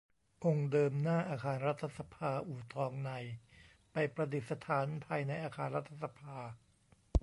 องค์เดิมหน้าอาคารรัฐสภาอู่ทองในไปประดิษฐานภายในอาคารรัฐสภา